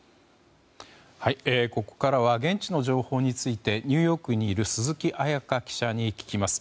ここからは現地の情報についてニューヨークにいる鈴木彩加記者に聞きます。